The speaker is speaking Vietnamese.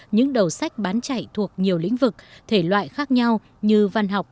những đầu sách bán chạy thuộc nhiều lĩnh vực thể loại khác nhau như văn học